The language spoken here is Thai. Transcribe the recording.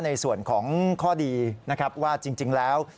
ในส่วนของข้อดีนะครับว่าจริงแล้ว